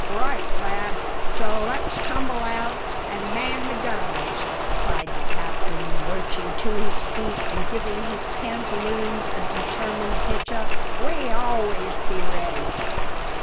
"Right, lad; so let's tumble out and man the guns!" cried the captain, lurching to his feet and giving his pantaloons a determined hitch up. "We always be ready!